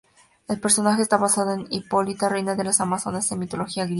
El personaje está basado en Hipólita, reina de las Amazonas en la mitología griega.